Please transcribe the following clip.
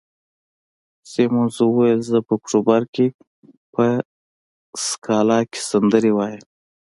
سیمونز وویل: زه په اکتوبر کې په سکالا کې سندرې وایم.